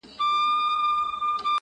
لكه برېښنا ـ